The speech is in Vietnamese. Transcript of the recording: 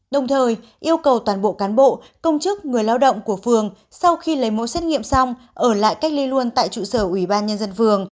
đồng thời yêu cầu toàn bộ cán bộ công chức người lao động của phường sau khi lấy mẫu xét nghiệm xong ở lại cách ly luôn tại trụ sở ủy ban nhân dân phường